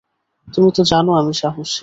তুমি তো জানো আমি সাহসী।